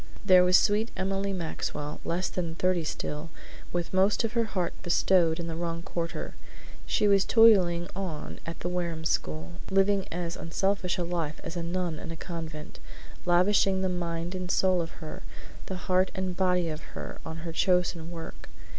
There was sweet Emily Maxwell, less than thirty still, with most of her heart bestowed in the wrong quarter. She was toiling on at the Wareham school, living as unselfish a life as a nun in a convent; lavishing the mind and soul of her, the heart and body of her, on her chosen work.